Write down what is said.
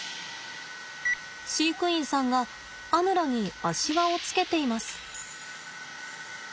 飼育員さんがアヌラに足輪をつけています。